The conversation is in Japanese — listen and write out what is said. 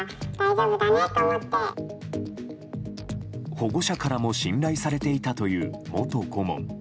保護者からも信頼されていたという、元顧問。